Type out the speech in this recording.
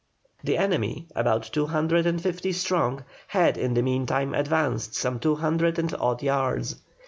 The enemy, about two hundred and fifty strong, had in the meantime advanced some two hundred and odd yards.